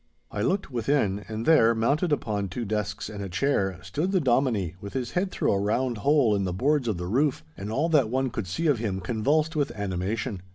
I looked within, and there, mounted upon two desks and a chair, stood the Dominie with his head through a round hole in the boards of the roof, and all that one could see of him convulsed with animation.